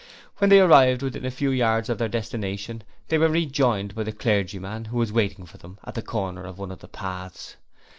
When they arrived within a few yards of their destination, they were rejoined by the clergyman, who was waiting for them at the corner of one of the paths.